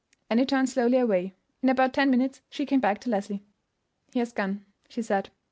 Annie turned slowly away. In about ten minutes she came back to Leslie. "He has gone," she said.